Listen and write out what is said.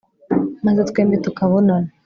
maze twembi tukabonana